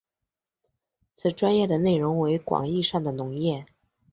此专页的内容为广义上的农业。